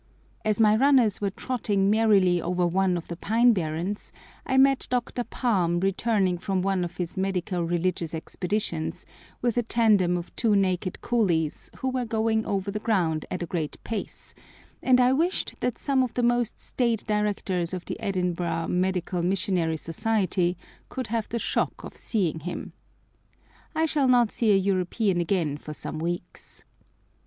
As my runners were trotting merrily over one of the pine barrens, I met Dr. Palm returning from one of his medico religious expeditions, with a tandem of two naked coolies, who were going over the ground at a great pace, and I wished that some of the most staid directors of the Edinburgh Medical Missionary Society could have the shock of seeing him! I shall not see a European again for some weeks.